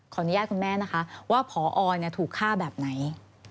อนุญาตคุณแม่นะคะว่าพอถูกฆ่าแบบไหน